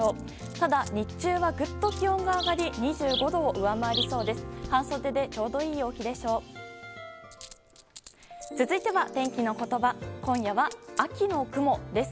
ただ、日中はぐっと気温が上がり２５度を上回りそうです。